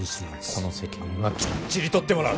この責任はきっちり取ってもらう